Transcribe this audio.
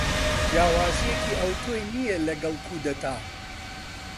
جیاوازیەکی ئەتۆی نییە لەگەل کودەتا.